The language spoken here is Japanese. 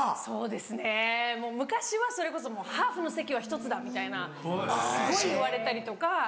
そうですね昔はそれこそハーフの席は１つだみたいなすごい言われたりとか。